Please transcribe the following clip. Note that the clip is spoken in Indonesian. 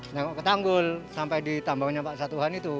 nengok ke tanggul sampai ditambangnya pak satuhan itu